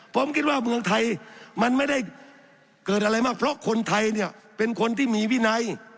ผมคิดว่าเมืองไทยมันไม่ได้เกิดอะไรมากเพราะคนไทยเนี่ยเป็นคนที่มีวินัย